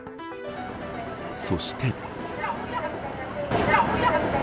そして。